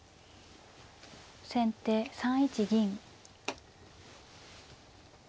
先手３一銀。